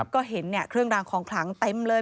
ก็เห็นเครื่องรางของขลังเต็มเลย